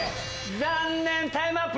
残念タイムアップ！